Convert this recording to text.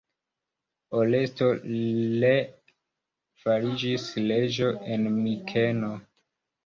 Oresto ree fariĝis reĝo en Mikeno.